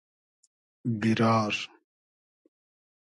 بیرار